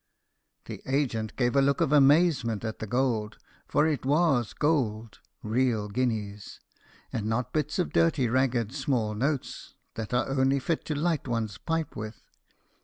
The agent gave a look of amazement at the gold; for it was gold real guineas! and not bits of dirty ragged small notes, that are only fit to light one's pipe with.